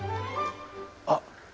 あっ！